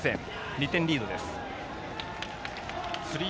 ２点リードです。